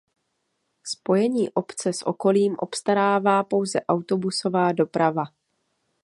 Spojení obce s okolím obstarává pouze autobusová doprava.